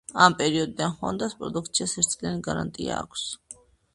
ამ პერიოდიდან ჰონდას პროდუქციას ერთწლიანი გარანტია აქვს.